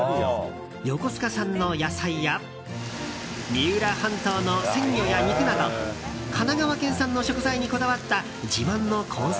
横須賀産の野菜や三浦半島の鮮魚や肉など神奈川県産の食材にこだわった自慢のコース